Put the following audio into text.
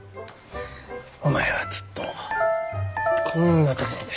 お前はずっとこんなところで。